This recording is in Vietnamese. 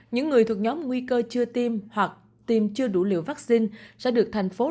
những người thuộc nhóm nguy cơ chưa tiêm hoặc tiêm chưa đủ liều vaccine sẽ được thành phố